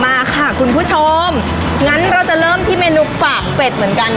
มาค่ะคุณผู้ชมงั้นเราจะเริ่มที่เมนูปากเป็ดเหมือนกัน